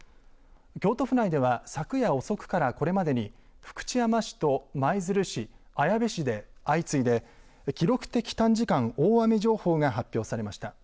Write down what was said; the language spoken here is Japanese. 京都府内では昨夜遅くからこれまでに福知山市と舞鶴市、綾部市で相次いで記録的短時間大雨情報が発表されました。